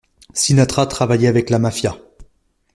Sinatra travaillait avec la mafia.